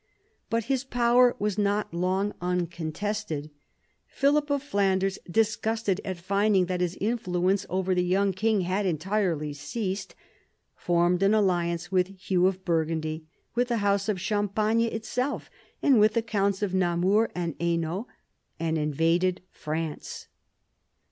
But his power was not long uncontested. Philip of Flanders, disgusted at finding that his influence over the young king had entirely ceased, formed an alliance with Hugh of Burgundy, with the house of Champagne itself, and with the counts of Namur and Hainault, and invaded France.